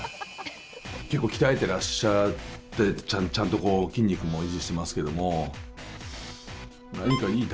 結構鍛えてらっしゃってちゃんと筋肉も維持してますけども。